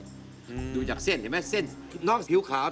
อืมดูจากเส้นเห็นไหมเส้นน้องผิวขาว